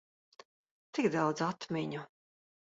Tik daudz atmiņu.